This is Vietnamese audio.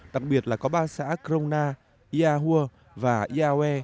tặc biệt là có ba xã krona yahuwa và yawae